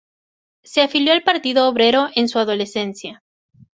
Se afilió al Partido Obrero en su adolescencia.